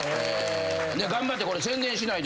頑張ってこれ宣伝しないと。